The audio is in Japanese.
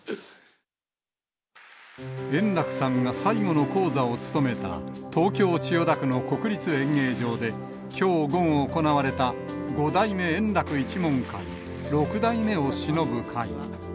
円楽さんが最後の高座を務めた東京・千代田区の国立演芸場で、きょう午後行われた、五代目圓楽一門会、六代目を偲ぶ会。